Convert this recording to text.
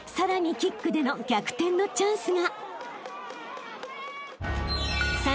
キックでの逆転のチャンスが］